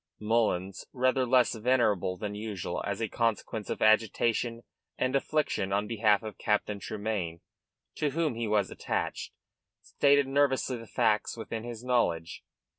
Mullins, rather less venerable than usual, as a consequence of agitation and affliction on behalf of Captain Tremayne, to whom he was attached, stated nervously the facts within his knowledge.